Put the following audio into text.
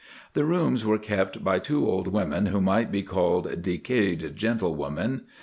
The rooms were kept by two old women who might be called decayed gentlewomen.